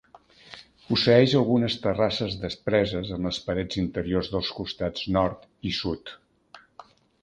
Posseeix algunes terrasses despreses en les parets interiors dels costats nord i sud.